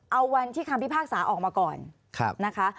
เอาวันที่ครั้งที่ภาพศาสตร์ออกมาก่อนนะคะ